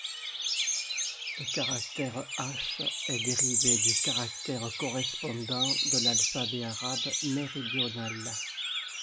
Le caractère ከ est dérivé du caractère correspondant de l'alphabet arabe méridional.